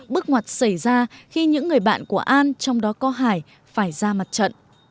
bức ngoặt xảy ra khi những người bạn của an trong đó có hải phải ra mặt trận